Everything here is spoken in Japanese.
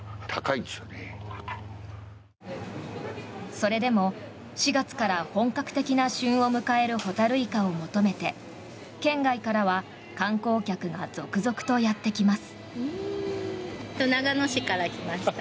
それでも４月から本格的な旬を迎えるホタルイカを求めて県外からは観光客が続々とやってきます。